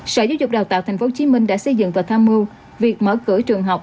sở giáo dục đào tạo tp hcm đã xây dựng và tham mưu việc mở cửa trường học